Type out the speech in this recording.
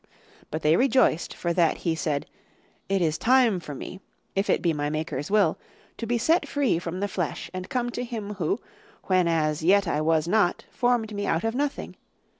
But they rejoiced for that he said, 'It is time for me, if it be my Maker's will, to be set free from the flesh, and come to Him Who, when as yet I was not, formed me out of nothing.